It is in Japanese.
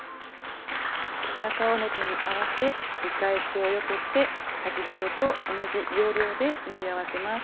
中表に合わせ見返しをよけて先ほどと同じ要領で縫い合わせます。